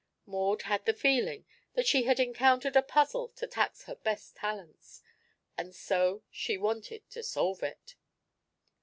Maud had the feeling that she had encountered a puzzle to tax her best talents, and so she wanted to solve it.